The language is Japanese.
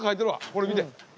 これ見て。